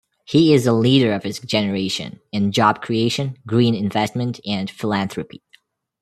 He is a leader of his generation in job creation, green investment and philanthropy.